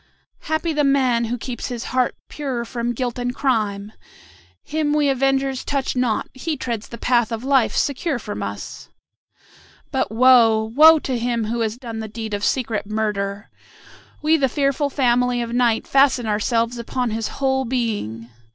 "Happy the man who keeps his heart pure from guilt and crime! Him we avengers touch not; he treads the path of life secure from us. But woe! woe! to him who has done the deed of secret murder. We the fearful family of Night fasten ourselves upon his whole being.